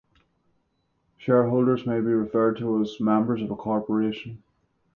Shareholders may be referred to as members of a corporation.